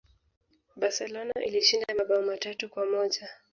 Barcelona ilishinda mabao matatu kwa moja